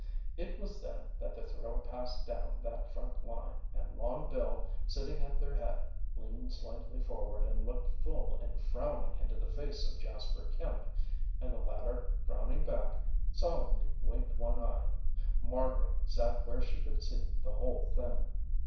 It was then that the thrill passed down that front line, and Long Bill, sitting at their head, leaned slightly forward and looked full and frowning into the face of Jasper Kemp; and the latter, frowning back, solemnly winked one eye. Margaret sat where she could see the whole thing.